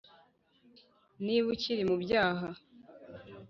niba ukiri mu byaha